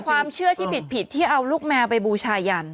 ความเชื่อที่ผิดที่เอาลูกแมวไปบูชายัน